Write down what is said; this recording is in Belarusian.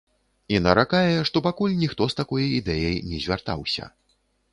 І наракае, што пакуль ніхто з такой ідэяй не звяртаўся.